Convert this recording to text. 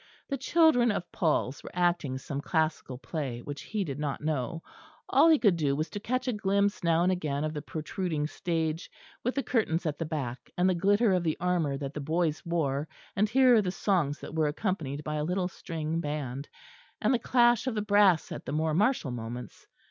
The children of Paul's were acting some classical play which he did not know: all he could do was to catch a glimpse now and again of the protruding stage, with the curtains at the back, and the glitter of the armour that the boys wore; and hear the songs that were accompanied by a little string band, and the clash of the brass at the more martial moments.